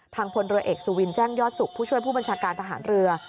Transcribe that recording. พลเรือเอกสุวินแจ้งยอดสุขผู้ช่วยผู้บัญชาการทหารเรือ